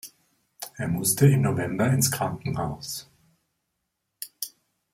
Er musste im November ins Krankenhaus.